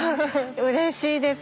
うれしいです。